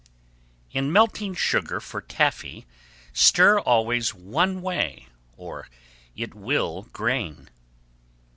_ 1149. In melting sugar for taffy, stir always one way, or it will grain.